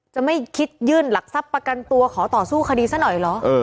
จะไม่คิดยื่นหลักทรัพย์ประกันตัวขอต่อสู้คดีซะหน่อยเหรอ